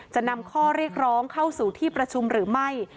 จะนำข้อเรียกร้องเข้าสู่ที่ประชุมหรือไม่